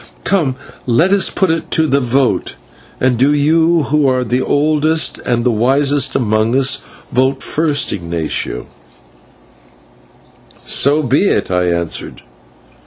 Come, let us put it to the vote, and do you who are the oldest and the wisest among us, vote first, Ignatio." "So be it," I answered.